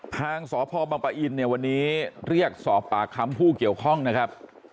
ทางสพบังปะอินเนี่ยวันนี้เรียกสอบปากคำผู้เกี่ยวข้องนะครับ